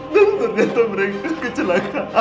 dan ternyata mereka kecelakaan